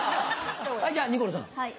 じゃニコルさん。